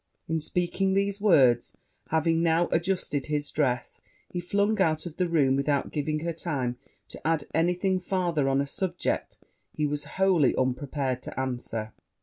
In speaking these words, having now adjusted his dress, he flung out of the room without giving her time to add any thing farther on a subject he was wholly unprepared to answer.